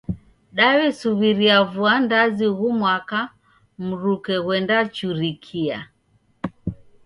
Daw'esuw'iria vua ndazi ughu mwaka, mruke ghuenda churikia.